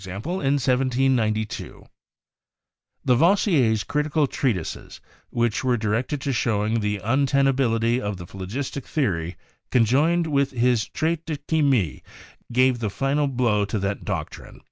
in 1792). Lavoisier's critical treatises, which were directed to showing the untenability of the phlogistic the ory, conjoined with his "Traite de Chimie," gave the final blow to that doctrine.